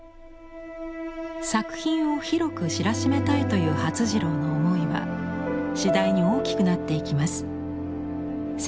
作品を広く知らしめたいという發次郎の思いは次第に大きくなっていきます。